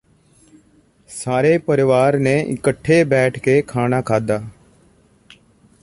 ਸਾਰੇ ਪਰਵਾਰ ਨੇ ਇਕਠੇ ਬੈਠ ਕੇ ਖਾਂਣਾ ਖਾਂਦਾ